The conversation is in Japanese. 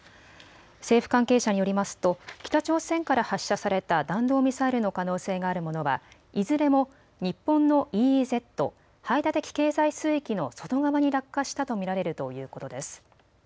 政府関係者によりますと北朝鮮から発射された弾道ミサイルの可能性があるものはいずれも日本のＥＥＺ・排他的経済水域の外側に落下したと見られるということです。